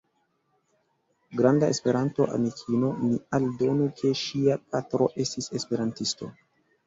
Granda Esperanto-amikino, ni aldonu ke ŝia patro estis esperantisto.